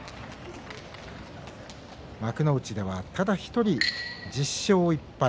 幕内では、ただ１人１０勝１敗